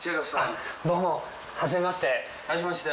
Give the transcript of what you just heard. どうもはじめまして。